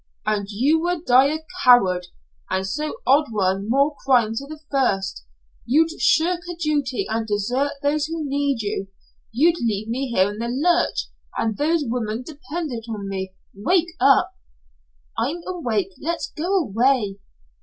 "And you would die a coward, and so add one more crime to the first. You'd shirk a duty, and desert those who need you. You'd leave me in the lurch, and those women dependent on me wake up " "I'm awake. Let's go away."